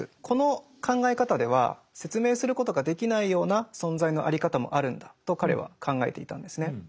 この考え方では説明することができないような存在のあり方もあるんだと彼は考えていたんですね。